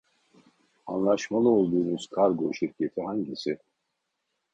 Anlaşmalı olduğunuz kargo şirketi hangisi